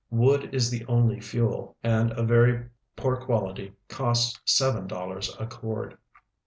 Wood is the only fuel, and a A'ery poor quality costs seven dollars a cord.